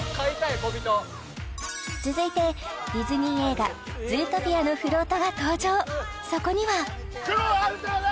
続いてディズニー映画「ズートピア」のフロートが登場そこにはクロウハウザーだ！